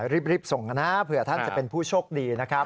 รีบส่งกันนะเผื่อท่านจะเป็นผู้โชคดีนะครับ